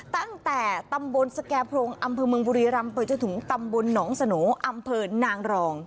ตั้งแต่ตำบลสแก่พรงอำเภอเมืองบุรีรำไปจนถึงตำบลหนองสโหนอำเภอนางรอง